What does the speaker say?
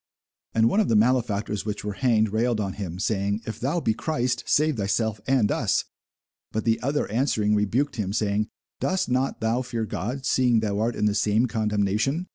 And one of the malefactors which were hanged railed on him, saying, If thou be Christ, save thyself and us. But the other answering rebuked him, saying, Dost not thou fear God, seeing thou art in the same condemnation?